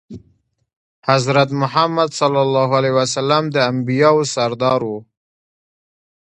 حضرت محمد د انبياوو سردار وو.